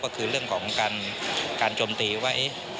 ก็คือเรื่องของการจมตีว่า